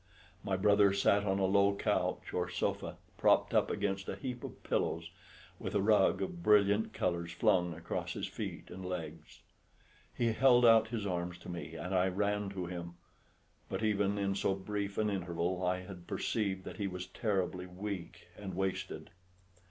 My brother sat on a low couch or sofa, propped up against a heap of pillows, with a rug of brilliant colours flung across his feet and legs. He held out his arms to me, and I ran to him; but even in so brief an interval I had perceived that he was terribly weak and wasted.